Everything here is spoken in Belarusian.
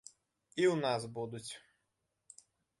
І ў нас будуць.